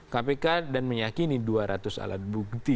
kpk dan meyakini dua ratus alat bukti